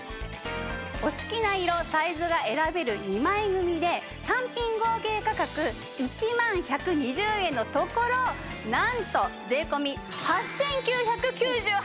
お好きな色・サイズが選べる２枚組で単品合計価格１万１２０円のところなんと税込８９９８円です。